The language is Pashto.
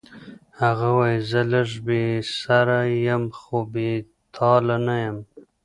هغه وایی زه لږ بې سره یم خو بې تاله نه یم